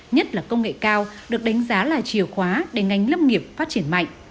nhất là công nghệ cao được đánh giá là chìa khóa để ngành lâm nghiệp phát triển mạnh